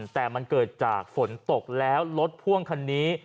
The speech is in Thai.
แต่มันเกิดจากฝนตกแล้วรถพ่วงคันนี้